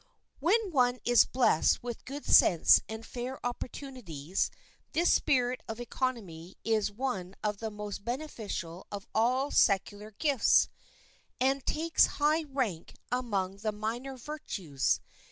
When one is blessed with good sense and fair opportunities, this spirit of economy is one of the most beneficial of all secular gifts, and takes high rank among the minor virtues.